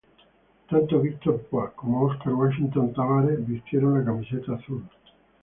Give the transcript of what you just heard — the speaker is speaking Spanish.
Tanto Víctor Púa como Óscar Washington Tabárez vistieron la camiseta azul.